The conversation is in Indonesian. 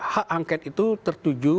hak angket itu tertuju